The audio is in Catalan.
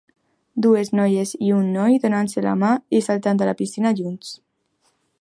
Dues noies i un noi donant-se la mà i saltant a la piscina junts.